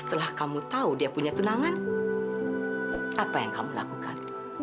setelah kamu tahu dia punya tunangan apa yang kamu lakukan